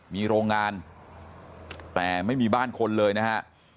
มีโรงงานแต่ไม่มีบ้านคนเลยนะฮะ